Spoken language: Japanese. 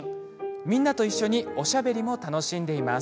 みんなと一緒におしゃべりも楽しんでいます。